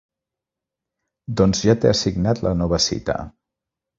Doncs ja t'he assignat la nova cita.